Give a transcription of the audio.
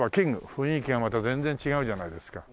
雰囲気がまた全然違うじゃないですか。